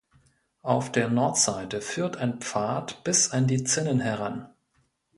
Auf der Nordseite führt ein Pfad bis an die Zinnen heran.